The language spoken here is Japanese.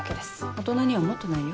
大人にはもっとないよ。